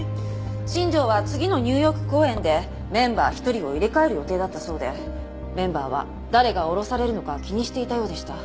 新庄は次のニューヨーク公演でメンバー１人を入れ替える予定だったそうでメンバーは誰が降ろされるのか気にしていたようでした。